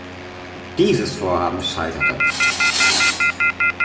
Dieses Vorhaben scheiterte.